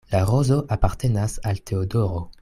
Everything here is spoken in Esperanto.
La rozo apartenas al Teodoro.